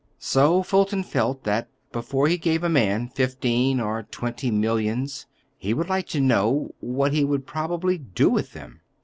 So Fulton felt that, before he gave a man fifteen or twenty millions, he would like to know—what he would probably do with them.